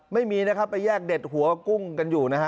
ไม่มีนะครับไปแยกเด็ดหัวกุ้งกันอยู่นะฮะ